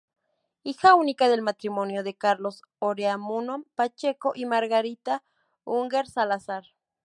Hija única del matrimonio de Carlos Oreamuno Pacheco y Margarita Unger Salazar.